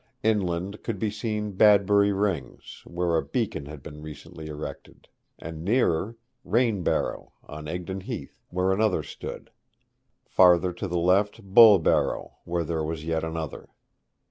Inland could be seen Badbury Rings, where a beacon had been recently erected; and nearer, Rainbarrow, on Egdon Heath, where another stood: farther to the left Bulbarrow, where there was yet another.